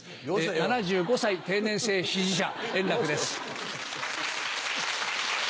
７５歳定年制支持者、円楽です。